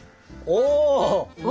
お！